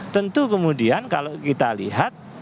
tentu kemudian kalau kita lihat